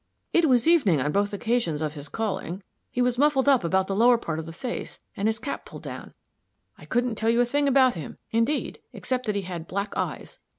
"It was evening on both occasions of his calling. He was muffled up about the lower part of the face, and his cap pulled down. I couldn't tell you a thing about him, indeed, except that he had black eyes.